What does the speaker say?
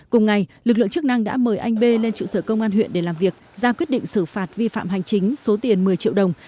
cùng ngày lực lượng chức năng đã mời anh b lên trụ sở công an huyện để làm việc ra quyết định xử phạt vi phạm hành chính số tiền một mươi triệu đồng